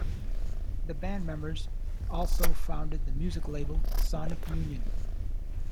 The band members also founded the music label Sonic Unyon.